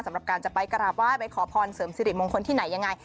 สำหรับการจะไปกราบไห้ไปขอพรเสริมสิริมงคลที่ไหนยังไง